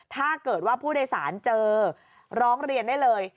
ถ้าเกิดว่าผู้โดยสารเจอร้องเรียนได้เลย